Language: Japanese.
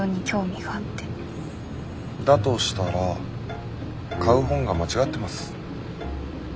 だとしたら買う本が間違ってます。